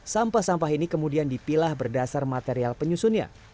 sampah sampah ini kemudian dipilah berdasar material penyusunnya